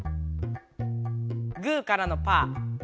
グーからのパー。